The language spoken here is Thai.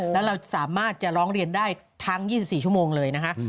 แล้วเราสามารถจะร้องเรียนได้ทั้ง๒๔ชั่วโมงเลยนะคะ